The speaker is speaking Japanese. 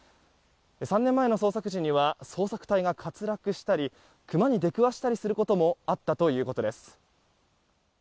３年前の捜索時には捜索隊が滑落したりクマに出くわしたりすることもあったということです。